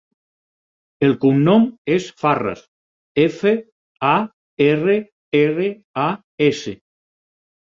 El cognom és Farras: efa, a, erra, erra, a, essa.